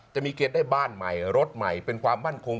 จะมีเกณฑ์ได้บ้านใหม่รถใหม่เป็นความมั่นคง